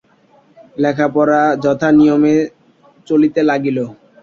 লেখাপড়া যথা নিয়মে চলিতে লাগিল।